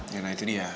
ya nah itu dia